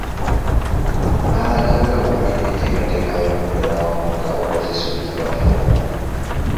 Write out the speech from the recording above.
N'alaga nga bwe balina enteekateeka y’okukolera awamu nga Opozisoni gye bafumba.